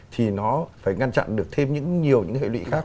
thì nó phải ngăn chặn được thêm nhiều những hệ lụy khác